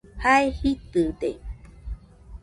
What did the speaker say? Jae jitɨde